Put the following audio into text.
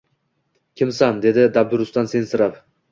Kimsan, dedi dabdurustdan sensirab